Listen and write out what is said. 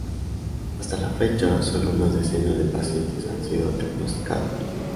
Hasta la fecha, solo unas decenas de pacientes han sido diagnosticados.